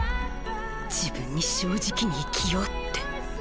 自分に正直に生きようって。